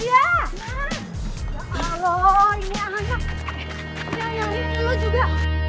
ini anak anaknya lo juga